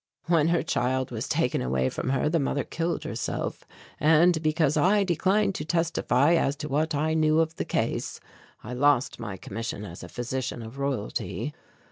"When her child was taken away from her, the mother killed herself; and because I declined to testify as to what I knew of the case I lost my commission as a physician of Royalty.